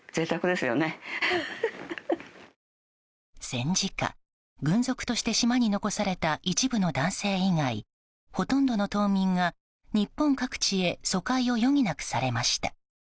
戦時下、軍属として島に残された一部の男性以外ほとんどの島民が、日本各地へ疎開を余儀なくされました。